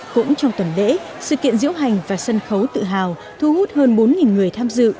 cũng trong tuần lễ sự kiện diễu hành và sân khấu tự hào thu hút hơn bốn người tham dự